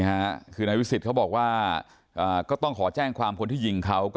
นี้ค่ะคือนายวิสิทธิ์เขาบอกว่าก็ต้องขอแจ้งความคนที่ยิงเขา